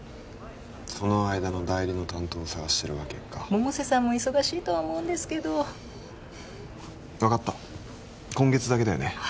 その間の代理の担当探してるわけか百瀬さんも忙しいとは思うんですけど分かった今月だけだよね？